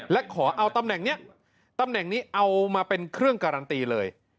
และขอเอาตำแหน่งนี้ตำแหน่งนี้เอามาเป็นเครื่องการันตีเลย